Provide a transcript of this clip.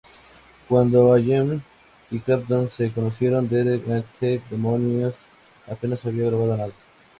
Cuando Allman y Clapton se conocieron, Derek and the Dominos apenas habían grabado nada.